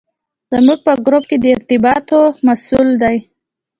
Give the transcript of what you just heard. زموږ په ګروپ کې د ارتباطاتو مسوول دی.